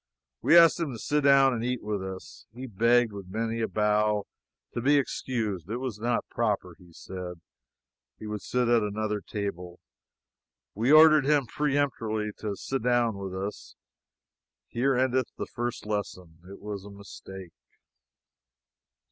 We asked him to sit down and eat with us. He begged, with many a bow, to be excused. It was not proper, he said; he would sit at another table. We ordered him peremptorily to sit down with us. Here endeth the first lesson. It was a mistake.